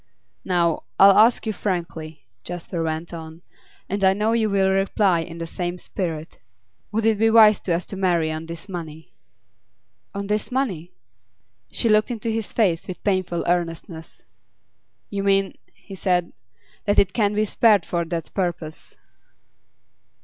'Now, I'll ask you frankly,' Jasper went on, 'and I know you will reply in the same spirit: would it be wise for us to marry on this money?' 'On this money?' She looked into his face with painful earnestness. 'You mean,' he said, 'that it can't be spared for that purpose?